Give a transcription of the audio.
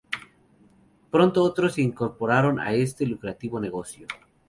Pronto otros se incorporaron a este lucrativo negocio.